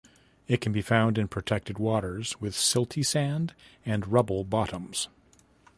It can be found in protected waters with silty sand and rubble bottoms.